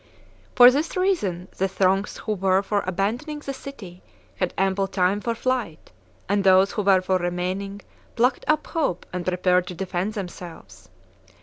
For this reason the throngs who were for abandoning the city had ample time for flight, and those who were for remaining plucked up hope and prepared to defend themselves.